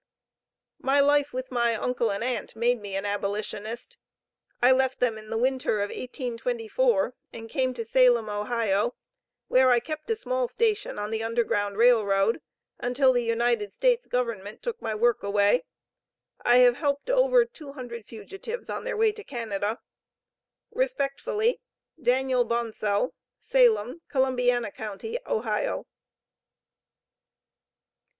My life with my uncle and aunt made me an abolitionist. I left them in the winter of 1824, and came to Salem, Ohio, where I kept a small station on the Underground Rail Road, until the United States government took my work away. I have helped over two hundred fugitives on their way to Canada. Respectfully, DANIEL BONSALL, Salem, Columbiana county, Ohio."